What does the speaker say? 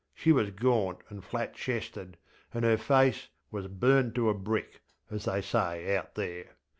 She was gaunt and flat chested, and her face was ŌĆśburnt to a brickŌĆÖ, as they say out there.